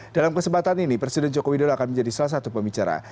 dalam kesempatan ini presiden joko widodo akan menjadi salah satu pembicara